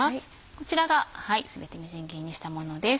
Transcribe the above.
こちらが全てみじん切りにしたものです。